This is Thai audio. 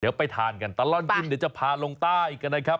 เดี๋ยวไปทานกันตลอดกินเดี๋ยวจะพาลงใต้กันนะครับ